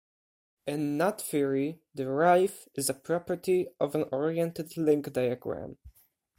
In knot theory, the "writhe" is a property of an oriented link diagram.